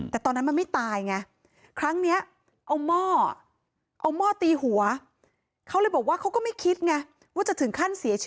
แต่ตอนนั้นมันไม่ตายไง